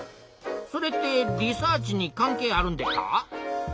それってリサーチに関係あるんでっか？